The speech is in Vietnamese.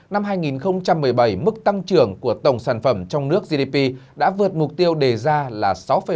năm hai nghìn một mươi bảy mức tăng trưởng của tổng sản phẩm trong nước gdp đã vượt mục tiêu đề ra là sáu bảy